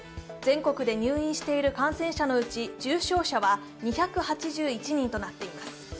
全国で入院している感染者のうち重症者は２８１人となっています。